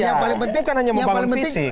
yang paling penting kan hanya mumpangan fisik